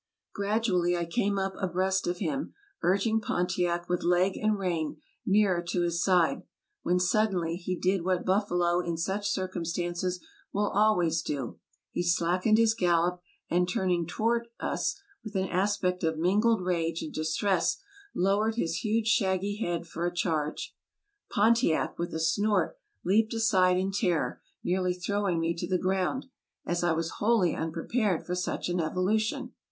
Gradually I came up abreast of him, urging Pontiac with leg and rein nearer to his side, when suddenly he did what buffalo in such circumstances will always do; he slackened his gallop, AMERICA 79 and turning toward us, with an aspect of mingled rage and distress, lowered his huge shaggy head for a charge. Pon tiac, with a snort, leaped aside in terror, nearly throwing me to the ground, as I was wholly unprepared for such an evolution.